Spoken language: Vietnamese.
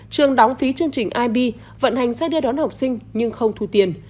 trường đóng phí chương trình ib vận hành sẽ đeo đón học sinh nhưng không thu tiền